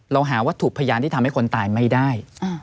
เราหาวัตถุพยานที่ทำให้คนตายไม่ได้